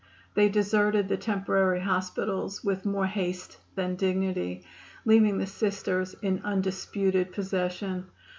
They deserted the temporary hospitals with more haste than dignity, leaving the Sisters in undisputed possession.